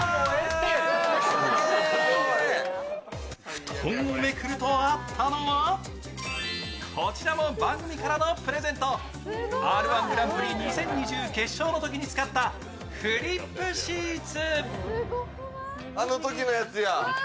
布団をめくるとあったのは、こちらも番組からのプレゼント、「Ｒ−１ぐらんぷり２０２０」決勝のときにつかったフリップシーツ。